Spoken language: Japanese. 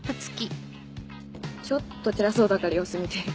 ちょっとチャラそうだから様子見てる。